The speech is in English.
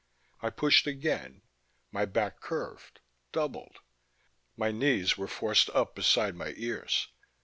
I pushed again, my back curved, doubled; my knees were forced up beside my ears.